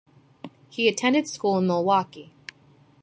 He attended school in Milwaukee.